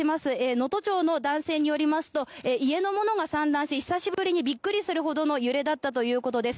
能登町の男性によりますと家のものが散乱し久しぶりにびっくりするほどの揺れだったということです。